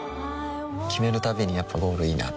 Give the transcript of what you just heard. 決めるたびにやっぱゴールいいなってふん